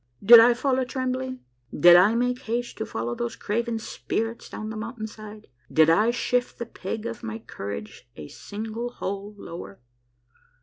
Did I fall a trembling ? Did I make haste^ to follow those craven spirits down the mountain side ? Did I shift the peg of my courage a single hole lower